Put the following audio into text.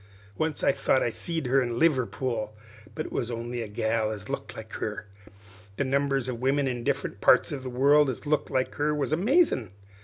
Once I thought I seed her in Liverpool, but it was only a gal as looked like her. The numbers of women in different parts of the world as looked like her was amazin'.